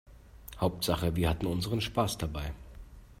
Hauptsache wir hatten unseren Spaß dabei.